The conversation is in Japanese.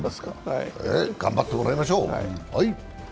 頑張ってもらいましょう。